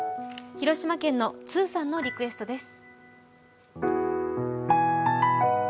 広島県のつぅさんのリクエストです。